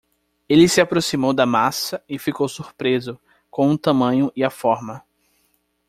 Ele se aproximou da massa e ficou surpreso com o tamanho e a forma.